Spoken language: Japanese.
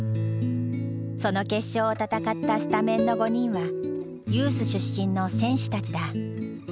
その決勝を戦ったスタメンの５人はユース出身の選手たちだ。